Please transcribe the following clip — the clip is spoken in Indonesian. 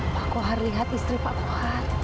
pak kohar lihat istri pak kohar